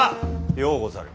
ようござる。